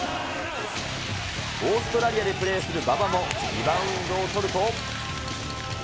オーストラリアでプレーする馬場もリバウンドを取ると。